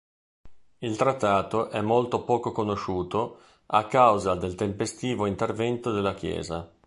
Il trattato è molto poco conosciuto, a causa del tempestivo intervento della Chiesa.